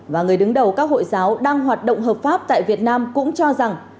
và người đứng đầu các hội giáo đang hoạt động hợp pháp tại việt nam cũng cho rằng